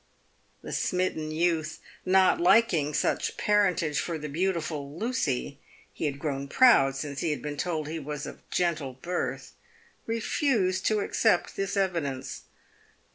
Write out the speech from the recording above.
The smitten youth, not liking such parentage for the beautiful Lucy — he had grown proud since he had been told he was of gentle birth — refused to accept this evidence.